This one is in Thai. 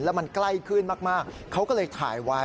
แล้วมันใกล้ขึ้นมากเขาก็เลยถ่ายไว้